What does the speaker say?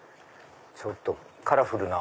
ちょっとカラフルな。